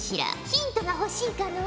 ヒントが欲しいかの？